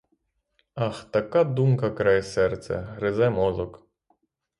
Ах, така думка крає серце, гризе мозок!